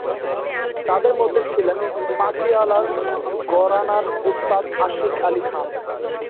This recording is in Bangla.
তাদের মধ্য ছিলেন পাতিয়ালার ঘরানার ওস্তাদ আশিক আলি খান।